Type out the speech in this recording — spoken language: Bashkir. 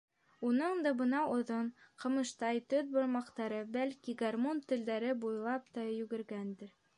Уның да бынау оҙон, ҡамыштай төҙ бармаҡтары, бәлки, гармун телдәре буйлап та йүгергәндер...